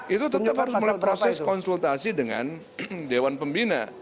itu tetap harus melalui proses konsultasi dengan dewan pembina